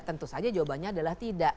tentu saja jawabannya adalah tidak